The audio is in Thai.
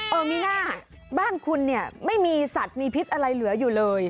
เออมีน่าบ้านคุณเนี่ยไม่มีสัตว์มีพิษอะไรเหลืออยู่เลย